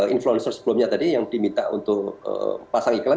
influencer sebelumnya tadi yang diminta untuk pasang iklan